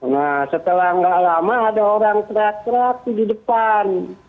nah setelah tidak lama ada orang terak terak di depan